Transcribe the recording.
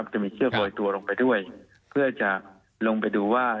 จะมีเชือกโรยตัวลงไปด้วยเพื่อจะลงไปดูว่า